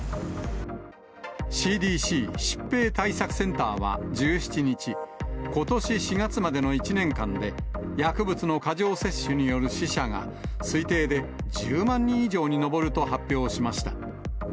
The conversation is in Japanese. ＣＤＣ・疾病対策センターは１７日、ことし４月までの１年間で、薬物の過剰摂取による死者が、推定で１０万人以上に上ると発表しました。